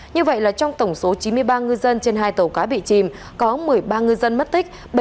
như vậy là trong tổng số chín mươi ba ngư dân trên hai tàu cá bị chìm có một mươi ba ngư dân mất tích